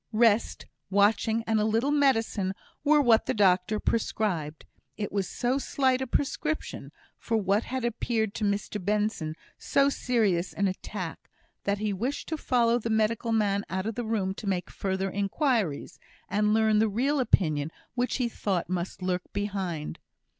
Rest, watching, and a little medicine were what the doctor prescribed; it was so slight a prescription, for what had appeared to Mr Benson so serious an attack, that he wished to follow the medical man out of the room to make further inquiries, and learn the real opinion which he thought must lurk behind.